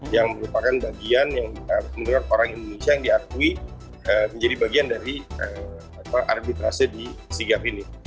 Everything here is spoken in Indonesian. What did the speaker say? yang merupakan bagian yang menurut orang indonesia yang diakui menjadi bagian dari arbitrase di sigap ini